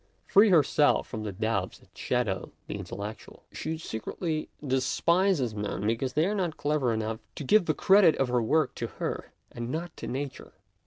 Free herself from the doubts that shadow the intellectual, she secretly despises men because they are not clever enough to give the credit of her work to her, and not to Nature.